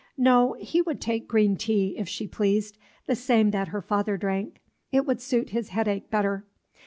No, he would take green tea, if she pleased, the same that her father drank. It would suit his headache better.